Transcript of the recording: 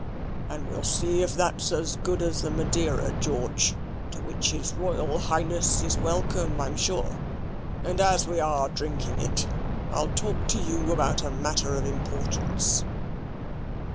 "And we'll see if that's as good as the Madeira, George, to which his Royal Highness is welcome, I'm sure. And as we are drinking it, I'll talk to you about a matter of importance."